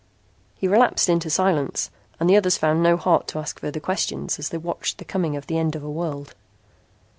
He relapsed into silence and the others found no heart to ask further questions as they watched the coming of the end of a world.